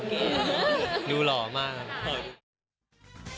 อะไรแบบนี้ก็เลยตัดเลย